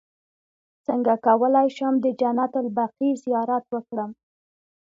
څنګه کولی شم د جنت البقیع زیارت وکړم